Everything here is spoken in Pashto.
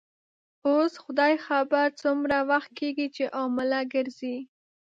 اوس خدای خبر څومره وخت کیږي چي حامله ګرځې.